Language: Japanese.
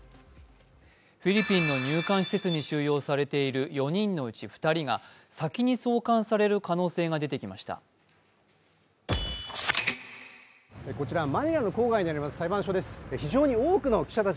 フィリピンの入管施設に収監されている４人のうち２人が先に送還される可能性が出てきました。